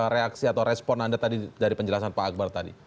reaksi atau respon anda tadi dari penjelasan pak akbar tadi